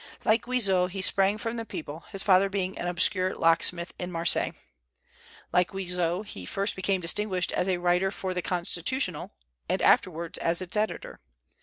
Like Guizot he sprang from the people, his father being an obscure locksmith in Marseilles. Like Guizot, he first became distinguished as a writer for the "Constitutional," and afterward as its editor.